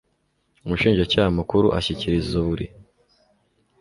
umushinjacyaha mukuru ashyikiriza buri